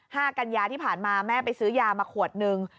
กัญญาที่ผ่านมาแม่ไปซื้อยามาขวดหนึ่ง